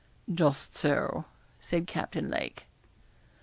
'Just so,' said Captain Lake.